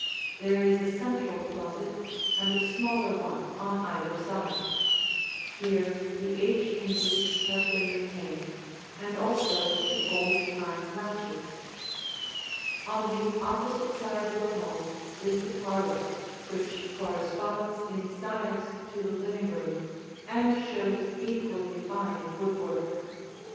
There is a central closet and a smaller one on either side. Here the H hinges have been retained and also the old time latches. On the opposite side of the hall is the parlor, which corresponds in size to the living room and shows equally fine woodwork.